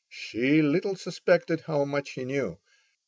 She little suspected how much he knew.